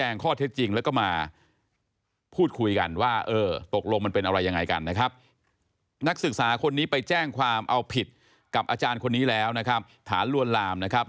นักศึกษาคนนี้ไปแจ้งความเอาผิดกับอาจารย์คนนี้แล้วนะครับฐานลวนลามนะครับ